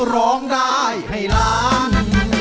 ร้องได้ให้ล้าน